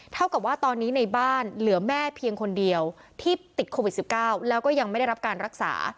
เท่ากับว่าตอนนี้ในบ้านเหลือแม่เพียงคนเดียวที่ติดโควิด๑๙แล้วก็ยังไม่ได้รับการรักษา